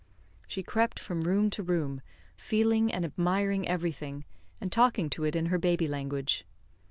She crept from room to room, feeling and admiring everything, and talking to it in her baby language.